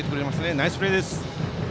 ナイスプレーです。